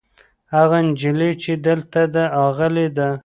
هغه نجلۍ چې دلته ده غلې ده.